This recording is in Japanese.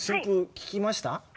☎聴きました